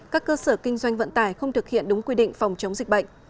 các cơ sở kinh doanh vận tải không thực hiện đúng quy định phòng chống dịch bệnh